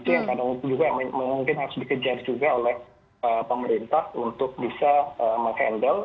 nah itu yang kadang juga mungkin harus dikejar juga oleh pemerintah untuk bisa mengendal